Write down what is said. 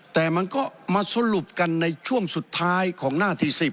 แต่มันก็มาสรุปกันในช่วงสุดท้ายของหน้าที่๑๐